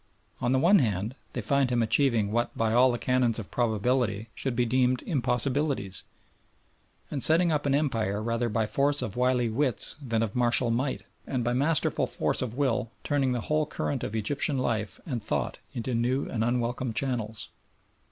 On the one hand, they find him achieving what by all the canons of probability should be deemed impossibilities, and setting up an empire rather by force of wily wits than of martial might, and by masterful force of will turning the whole current of Egyptian life and thought into new and unwelcomed channels.